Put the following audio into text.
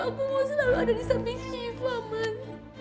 aku mau selalu ada disamping syifa mas